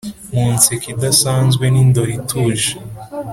munseko idasanzwe nindoro ituje,